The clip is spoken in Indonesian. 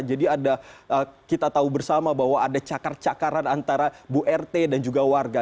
jadi kita tahu bersama bahwa ada cakar cakaran antara bu rt dan juga warga